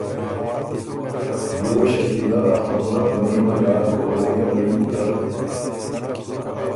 بيې وه شکیلۀ ا خبُره په نیمه داک، غوېکه له یِن که